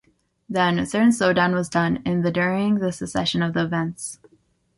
Then, a certain slowdown was done in the during the succession of events.